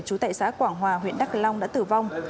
trú tại xã quảng hòa huyện đắk long đã tử vong